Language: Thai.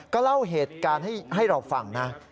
ก็เล่าเหตุการณ์ให้เราฟังนะ